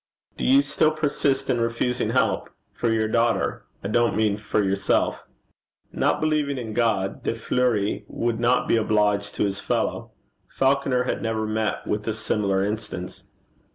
'Do you still persist in refusing help for your daughter I don't mean for yourself?' Not believing in God, De Fleuri would not be obliged to his fellow. Falconer had never met with a similar instance.